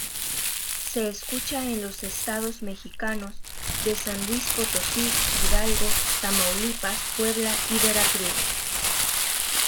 Se escucha en los estados mexicanos de San Luis Potosí, Hidalgo, Tamaulipas, Puebla y Veracruz.